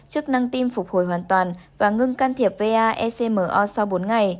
chức năng tim phục hồi hoàn toàn và ngưng can thiệp va ecmo sau bốn ngày